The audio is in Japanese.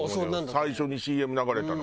最初にＣＭ流れたの。